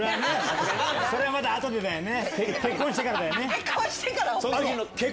それは後でだよね。